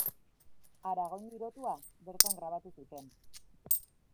Aragoin girotua, bertan grabatu zuten.